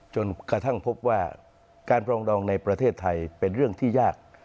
จนกระทั่งพบว่าการปรองดองในประเทศไทยเป็นเรื่องที่ยาก